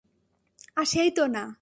আসেই তো না।